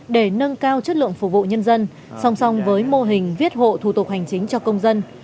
để nâng cao chất lượng phục vụ nhân dân song song với mô hình viết hộ thủ tục hành chính cho công dân